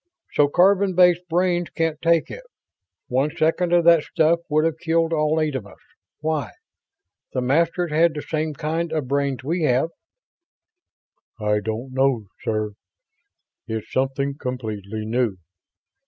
"So carbon based brains can't take it. One second of that stuff would have killed all eight of us. Why? The Masters had the same kind of brains we have." "I don't know, sir. It's something completely new.